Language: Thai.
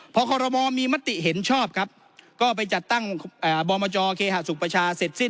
พอคอรมอมีมติเห็นชอบครับก็ไปจัดตั้งบอมจเคหสุขประชาเสร็จสิ้น